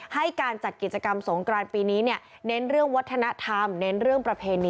ให้การจัดกิจกรรมสงกรานปีนี้เน้นเรื่องวัฒนธรรม